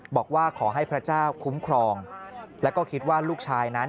บอกว่าขอให้พระเจ้าคุ้มครองแล้วก็คิดว่าลูกชายนั้น